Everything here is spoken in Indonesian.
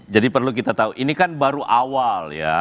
jadi perlu kita tahu ini kan baru awal ya